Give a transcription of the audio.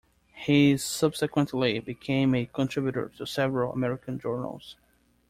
He subsequently became a contributor to several American journals.